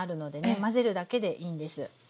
混ぜるだけでいいんです。